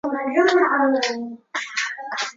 寡妇榧螺为榧螺科榧螺属下的一个种。